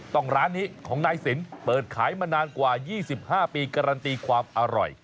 ร้านนี้ของนายสินเปิดขายมานานกว่า๒๕ปีการันตีความอร่อย